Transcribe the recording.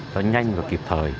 nó nhanh và kịp thời